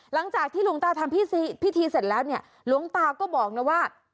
หลังจากที่หลวงตาทำพิธีเสร็จแล้วเนี่ยหลวงตาก็บอกนะว่า